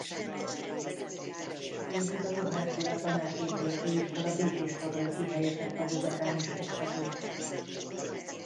Két évig a Juhász Gyula Tanárképző Főiskola békéscsabai kihelyezett tagozatán is oktatott.